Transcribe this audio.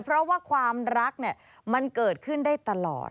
เพราะว่าความรักมันเกิดขึ้นได้ตลอด